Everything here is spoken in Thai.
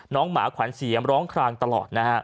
น้องหมาขวานเสียมร้องคลางตลอด